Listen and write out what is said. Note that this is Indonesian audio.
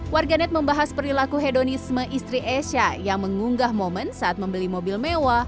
warganet membahas perilaku hedonisme istri esha yang mengunggah momen saat membeli mobil mewah